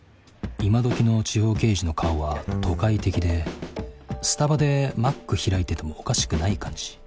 今どきの地方刑事の顔は都会的でスタバでＭａｃ開いててもおかしくない感じ。